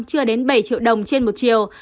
chưa đến bảy triệu đồng trên một chiều